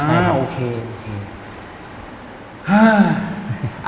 ใช่ครับอ้าวโอเคโอเค